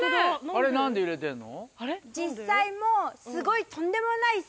あれ何で揺れてんの？